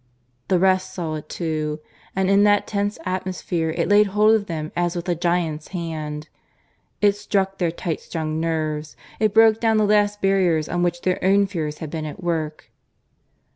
The rest saw it too; and in that tense atmosphere it laid hold of them as with a giant's hand; it struck their tight strung nerves; it broke down the last barriers on which their own fears had been at work.